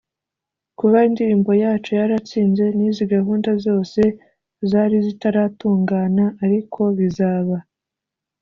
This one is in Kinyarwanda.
Kuba indirimbo yaco yaratinze ni izi gahunda zose zari zitaratungana arko bizaba